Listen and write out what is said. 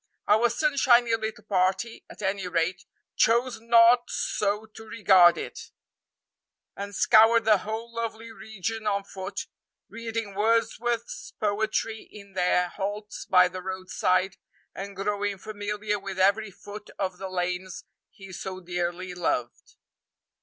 Our sunshiny little party, at any rate, chose not so to regard it, and scoured the whole lovely region on foot, reading Wordsworth's poetry in their halts by the roadside, and growing familiar with every foot of the lanes he so dearly loved.